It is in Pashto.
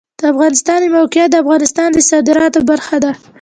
د افغانستان د موقعیت د افغانستان د صادراتو برخه ده.